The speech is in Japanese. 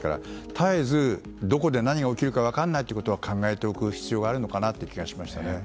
絶えずどこで何が起こるか分からないということは考えておく必要があるのかなという気がしましたね。